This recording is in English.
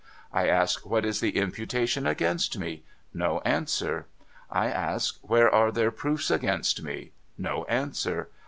I ask, what is the imputation against me ? No answer. I ask, where are their proofs against me ? No answer.